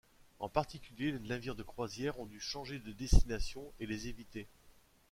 En particulier, les navires de croisière ont dû changer de destination et les éviter.